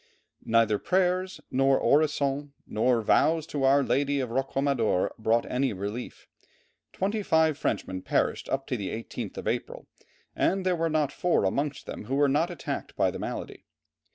Neither prayers, nor orisons, nor vows to our Lady of Roquamadour brought any relief. Twenty five Frenchmen perished up to the 18th of April, and there were not four amongst them who were not attacked by the malady.